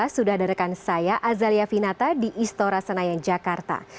sudah ada rekan saya azalia finata di istora senayan jakarta